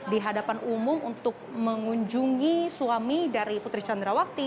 di hadapan umum untuk mengunjungi suami dari putri candrawati